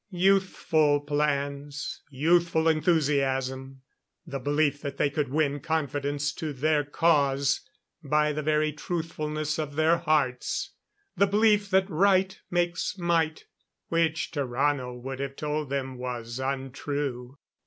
Youthful plans! Youthful enthusiasm! The belief that they could win confidence to their cause by the very truthfulness in their hearts! The belief that right makes might which Tarrano would have told them was untrue!